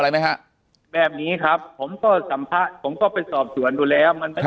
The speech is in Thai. แต่คุณยายจะขอย้ายโรงเรียน